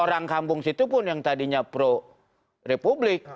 dan orang kampung situ pun yang tadinya pro republik